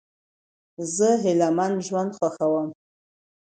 زه هیلهمن ژوند خوښوم.